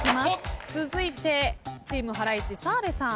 続いてチームハライチ澤部さん。